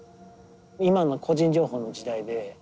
今の個人情報の時代で。